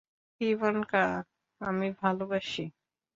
পিভনকা আমি ভালবাসি!